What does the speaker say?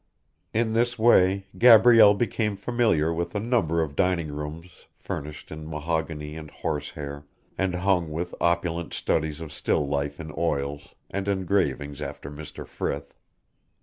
In this way Gabrielle became familiar with a number of dining rooms furnished in mahogany and horsehair and hung with opulent studies of still life in oils and engravings after Mr. Frith.